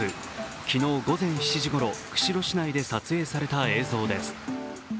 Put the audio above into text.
昨日午前７時ごろ、釧路市内で撮影された映像です。